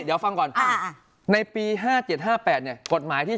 เดี๋ยวฟังก่อนอ่าอ่าในปีห้าเจ็ดห้าแปดเนี้ยกฎหมายที่